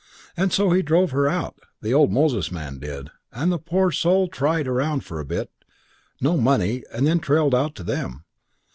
And so he drove her out, the old Moses man did, and the poor soul tried around for a bit no money and then trailed out to them.